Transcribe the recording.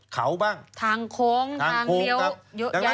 เขาบ้างทางโค้งทางเลี้ยวเยอะแยะ